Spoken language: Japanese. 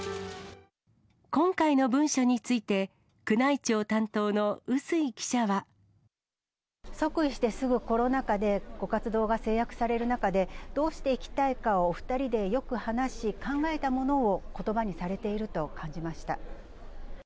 今回の文書について、即位してすぐコロナ禍で、ご活動が制約される中で、どうしていきたいかをお２人でよく話し、考えたものをことばにされていると感じました。